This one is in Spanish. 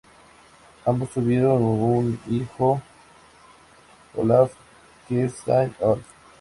Ambos tuvieron un hijo, Olaf Geirstad-Alf.